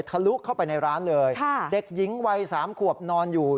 ลุเข้าไปในร้านเลยค่ะเด็กหญิงวัยสามขวบนอนอยู่